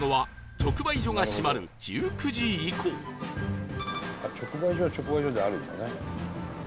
「直売所は直売所であるんだね」